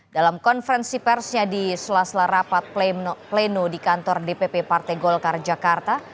dalam konferensi persnya di sela sela rapat pleno di kantor dpp partai golkar jakarta